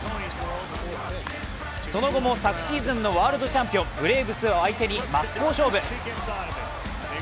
その後も昨シーズンのワールドチャンピオン、ブレーブスを相手に真っ向勝負。